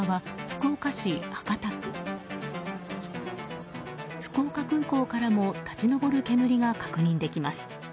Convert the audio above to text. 福岡空港からも立ち上る煙が確認できます。